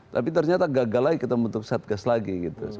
tapi ternyata gagal lagi kita membentuk satgas lagi gitu